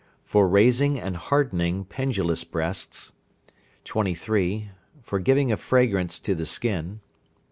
For raising and hardening pendulous breasts. 23. For giving a fragrance to the skin.